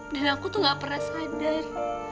dan aku tuh gak pernah sadar